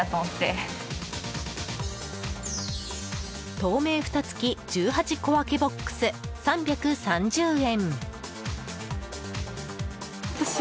透明フタ付１８小分けボックス、３３０円。